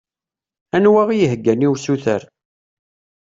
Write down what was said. Anwa i yeheggan i usuter